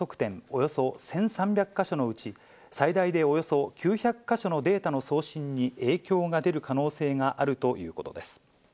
およそ１３００か所のうち、最大でおよそ９００か所のデータの送信に影響が出る可能性があるということです。